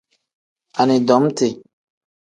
Anidomiti.